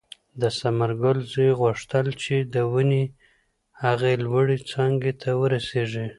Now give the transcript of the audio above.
د ثمرګل زوی غوښتل چې د ونې هغې لوړې څانګې ته ورسېږي.